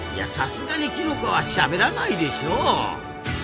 さすがにきのこはしゃべらないでしょう。